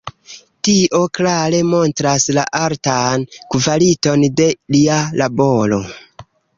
Tio klare montras la altan kvaliton de lia laboro.